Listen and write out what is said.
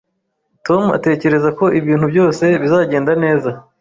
Tom atekereza ko ibintu byose bizagenda neza